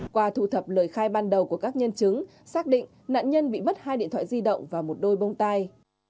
qua thu thập lời khai ban đầu của các nhân chứng xác định nạn nhân bị mất hai điện thoại di động và một đôi bông tai